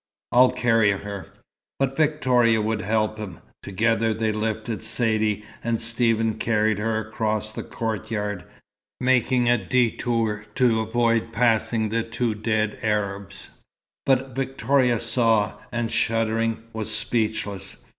"I'll carry her." But Victoria would help him. Together they lifted Saidee, and Stephen carried her across the courtyard, making a détour to avoid passing the two dead Arabs. But Victoria saw, and, shuddering, was speechless.